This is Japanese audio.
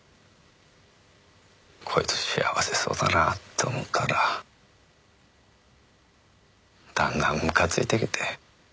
こいつ幸せそうだなって思ったらだんだんむかついてきて。